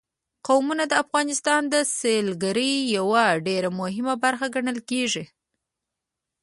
قومونه د افغانستان د سیلګرۍ یوه ډېره مهمه برخه ګڼل کېږي.